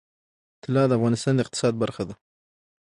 طلا د افغانستان د اقتصاد برخه ده.